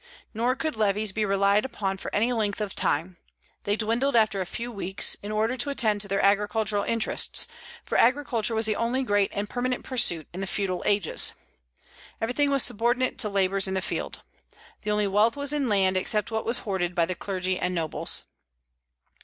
Nor could levies be relied upon for any length of time; they dwindled after a few weeks, in order to attend to their agricultural interests, for agriculture was the only great and permanent pursuit in the feudal ages. Everything was subordinate to labors in the field. The only wealth was in land, except what was hoarded by the clergy and nobles.